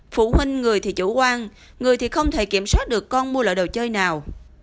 phụ huynh người thì chủ quan người thì không thể kiểm soát được con mua loại đồ chơi nào